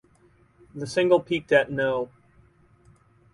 The single peaked at no.